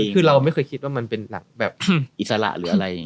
คือเราไม่เคยคิดว่ามันเป็นหลักแบบอิสระหรืออะไรอย่างนี้